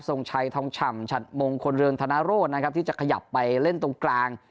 งชัยทองฉ่ำฉัดมงคลเรืองธนโรธนะครับที่จะขยับไปเล่นตรงกลาง